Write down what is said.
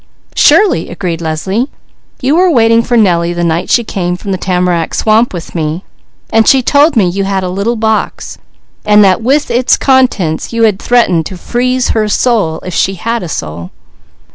"Surely!" agreed Leslie. "You were waiting for Nellie the night she came from the tamarack swamp with me, and she told me you had a little box, and that with its contents you had threatened to 'freeze her soul,' if she had a soul.